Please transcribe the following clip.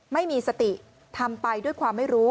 ไม่มีสติทำไปด้วยความไม่รู้